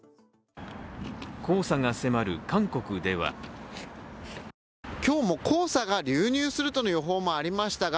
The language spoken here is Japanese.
黄砂が迫る韓国では今日も黄砂が流入するとの予報もありましたが